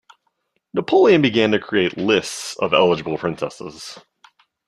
Napoleon began to create lists of eligible princesses.